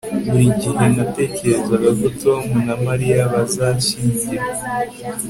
buri gihe natekerezaga ko tom na mariya bazashyingirwa